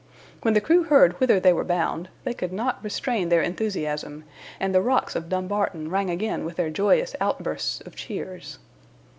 When the crew heard whither they were bound, they could not restrain their enthusiasm, and the rocks of Dumbarton rang again with their joyous outbursts of cheers.